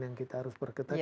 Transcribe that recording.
yang kita harus berketat